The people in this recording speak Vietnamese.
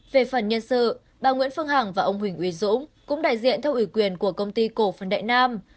về phần nhân sự bà nguyễn phương hằng và ông huỳnh uy dũng cũng đại diện theo ủy quyền của công ty cổ phần đại nam